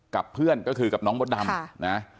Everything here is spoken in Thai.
กับเพื่อนก็คือกับน้องมดดำนะ